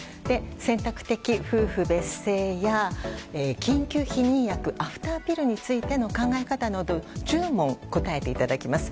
選択的夫婦別姓や緊急避妊薬アフターピルについての考え方など１０問答えていただきます。